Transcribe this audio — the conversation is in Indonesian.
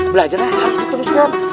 belajarnya harus dituliskan